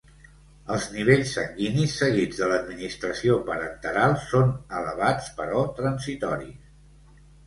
Els nivells sanguinis seguits de l'administració parenteral són elevats però transitoris.